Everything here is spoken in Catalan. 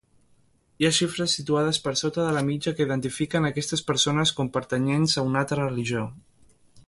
Hi ha xifres situades per sota de la mitja que identifiquen a aquestes persones com pertanyents a una altra religió.